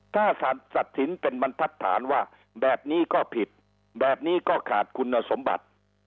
ถ้าสารตัดสินเป็นบรรทัศน์ว่าแบบนี้ก็ผิดแบบนี้ก็ขาดคุณสมบัติ